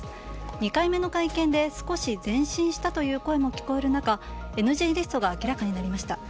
２回目の会見で少し前進したという声も聞こえる中ＮＧリストが明らかになりました。